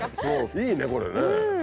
いいねこれね。